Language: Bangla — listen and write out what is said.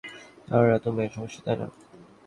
আরে, এতো মেয়ের সমস্যা, তাই না?